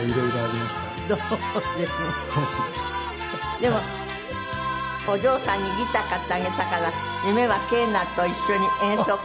でもお嬢さんにギター買ってあげたから夢はケーナと一緒に演奏会する。